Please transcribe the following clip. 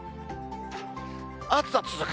暑さ続く。